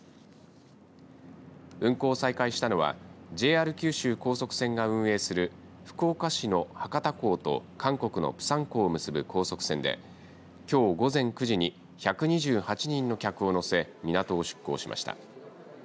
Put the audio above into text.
運航を再開したのはＪＲ九州高速船が運営する福岡市の博多港と韓国のプサン港を結ぶ高速船できょう午前９時に１２８人の客を乗せ港を出港しました。